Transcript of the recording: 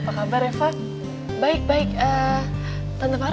selalu berinvestasi makin nyawa ya